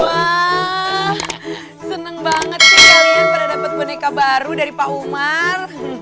wah seneng banget sih kan pernah dapat boneka baru dari pak umar